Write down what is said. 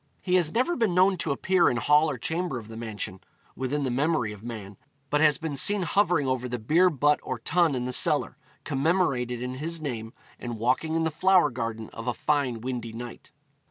He has never been known to appear in hall or chamber of the mansion, within the memory of man, but has been seen hovering over the beer butt or tun in the cellar, commemorated in his name, and walking in the flower garden of a fine windy night.